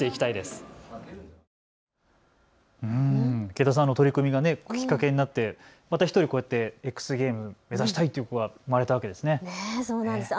池田さんの取り組みがきっかけになってまた１人こうやってＸゲームズを目指したいという子が生まれたわけですね。